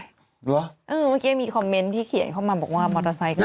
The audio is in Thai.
เหรอเมื่อกี้มีคอมเมนต์ที่เขียนเข้ามาบอกว่ามอเตอร์ไซค์ก็